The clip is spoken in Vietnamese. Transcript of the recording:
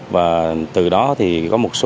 và từ đó thì có một số đối tượng xấu